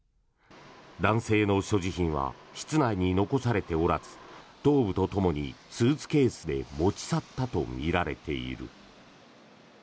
男性の所持品は室内に残されておらず頭部とともにスーツケースで持ち去ったとみられている。